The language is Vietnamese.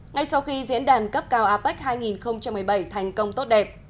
ngay sau khi diễn đàn cấp cao apec hai nghìn một mươi bảy thành công tốt đẹp